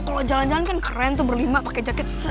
kalo jalan jalan kan keren tuh berlima pake jaket se